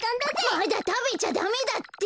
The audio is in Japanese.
まだたべちゃだめだって！